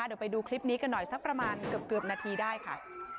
เดี๋ยวไปดูคลิปนี้กันหน่อยสักประมาณเกือบนาทีได้ค่ะ